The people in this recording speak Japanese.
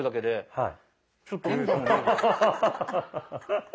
はい。